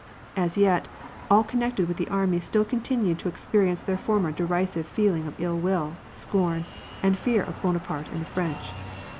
As yet, all connected with the army still continued to expe rience their former derisive feeling of ill will, scorn, and fear of Bonaparte and the French.